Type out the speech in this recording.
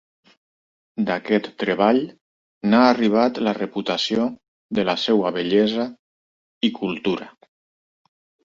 D'aquest treball n'ha arribat la reputació de la seva bellesa i cultura.